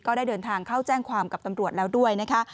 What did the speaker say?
ได้เดินทางเข้าแจ้งความกับตำรวจแล้วด้วยนะคะ